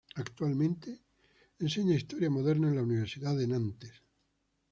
Actualmente, enseña historia moderna en la Universidad de Nantes.